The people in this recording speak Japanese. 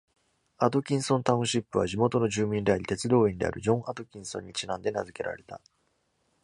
アトキンソン・タウンシップは、地元の住民であり鉄道員である、ジョン・アトキンソンにちなんで名付けられた。